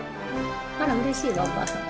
あらうれしいわお母さん。